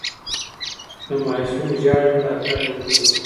که ماشوم ژاړي، ملاتړ یې وکړئ.